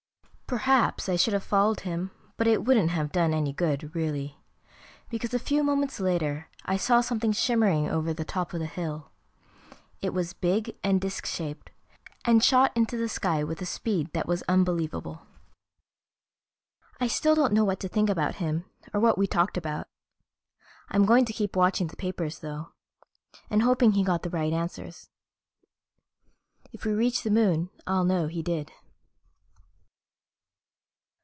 Perhaps I should have followed him, but it wouldn't have done any good, really. Because a few moments later I saw something shimmering over the top of the hill. It was big and disc shaped and shot into the sky with a speed that was unbelievable. I still don't know what to think about him or what we talked about. I'm going to keep watching the papers though, and hoping he got the right answers. If we reach the Moon I'll know he did....